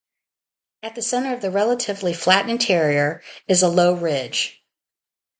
At the center of the relatively flat interior is a low ridge.